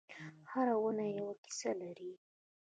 هره ونه یوه کیسه لري.